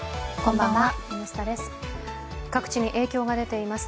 各地に影響が出ています